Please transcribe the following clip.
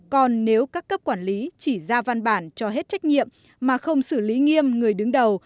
còn nếu các cấp quản lý chỉ ra văn bản cho hết trách nhiệm mà không xử lý nghiêm người đứng đầu